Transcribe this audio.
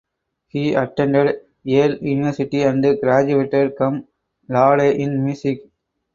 He attended Yale University and graduated cum laude in music.